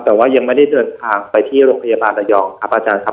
แต่ว่ายังไม่ได้เดินทางไปที่โรงพยาบาลระยองครับอาจารย์ครับ